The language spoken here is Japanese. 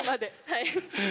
はい。